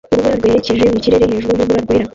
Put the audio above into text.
Urubura rwerekeje mu kirere hejuru yurubura rwera